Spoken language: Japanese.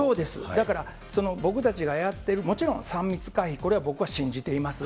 だからその僕たちがやってる、もちろん３密回避、これは信じています。